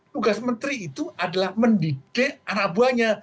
tugas menteri itu adalah mendidik anak buahnya